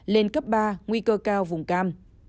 lên cấp ba nguy cơ cao vùng cam